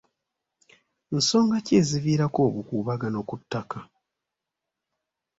Nsonga ki eziviirako obukuubagano ku ttaka?